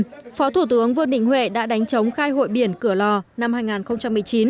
phó thủ tướng vương đình huệ đã đánh chống khai hội biển cửa lò năm hai nghìn một mươi chín